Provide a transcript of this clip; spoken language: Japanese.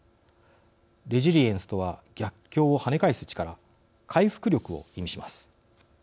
レジリエンスとは逆境をはね返す力回復力を意味します。